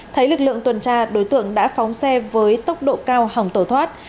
thấy lực lượng tuần tra đối tượng đã phóng xe với tốc độ cao hỏng tổ thoát